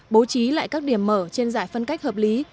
bố trí lại các điểm mở trên giải phân cách hợp lý